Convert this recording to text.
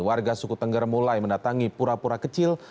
warga suku tengger mulai mendatangi pura pura kecil